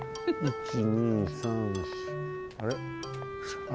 １２３４あれ？